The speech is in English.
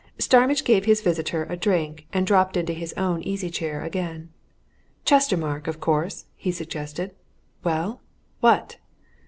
Starmidge gave his visitor a drink and dropped into his own easy chair again. "Chestermarke, of course!" he suggested. "Well what!"